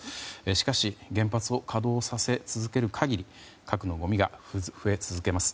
しかし原発を稼働させ続ける限り核のごみが増え続けます。